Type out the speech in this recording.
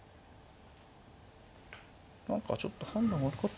何かちょっと判断悪かったのかな。